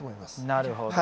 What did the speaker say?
なるほど。